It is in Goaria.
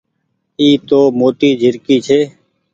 اي تو موٽي جهرڪي ڇي۔